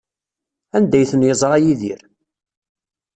Anda ay ten-yeẓra Yidir?